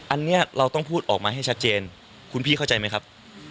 อันนี้เราต้องพูดออกมาให้ชัดเจนคุณพี่เข้าใจไหมครับ